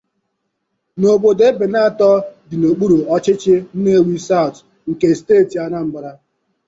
n'obodo Ebenator dị n'okpuru ọchịchị 'Nnewi South' nke steeti Anambra